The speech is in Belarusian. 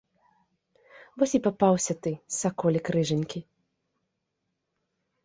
Вось і папаўся ты, саколік рыжанькі!